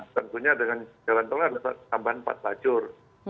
tentunya dengan jalan tol ada tambahan empat lacur